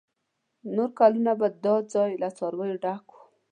نور کلونه به دا ځای له څارویو ډک و.